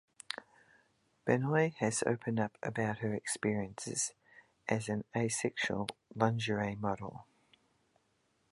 Benoit has opened up about her experiences as an asexual lingerie model.